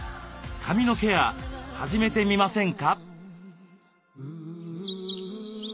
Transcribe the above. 髪のケア始めてみませんか？